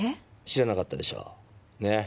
知らなかったでしょ？ね？